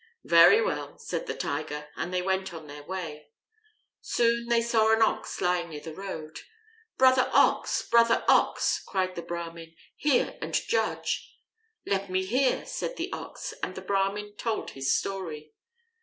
"Very well," said the Tiger, and they went on their way. Soon they saw an Ox lying near the road. "Brother Ox, brother Ox," cried the Brahmin, "hear and judge." "Let me hear," said the Ox, and the Brahmin told his story.